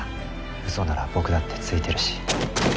嘘なら僕だってついてるし。